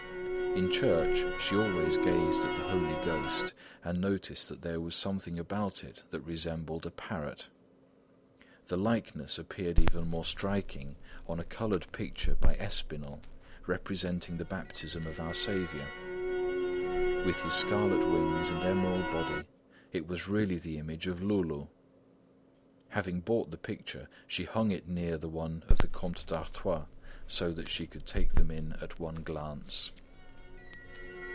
In church, she always gazed at the Holy Ghost, and noticed that there was something about it that resembled a parrot. The likeness appeared even more striking on a coloured picture by Espinal, representing the baptism of our Saviour. With his scarlet wings and emerald body, it was really the image of Loulou. Having bought the picture, she hung it near the one of the Comte d'Artois so that she could take them in at one glance.